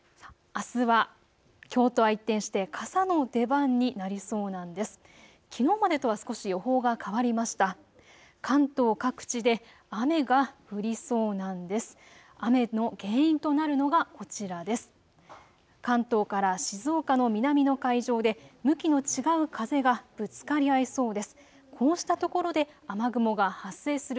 あすはきょうとは一転して傘の出番になりそうなんです。